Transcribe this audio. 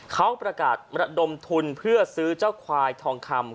เขาประกาศระดมทุนเพื่อซื้อเจ้าควายทองคำ